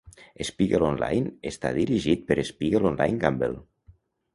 "Spiegel Online" està dirigit per Spiegel Online GmbH.